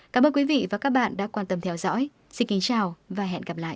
cảm ơn quý vị và các bạn đã quan tâm theo dõi xin kính chào và hẹn gặp lại